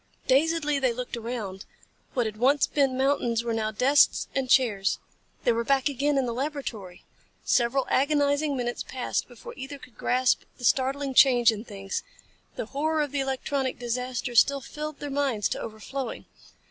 Dazedly they looked around. What had once been mountains were now desks and chairs. They were back again in the laboratory. Several agonizing minutes passed before either could grasp the startling change in things. The horror of the electronic disaster still filled their minds to overflowing.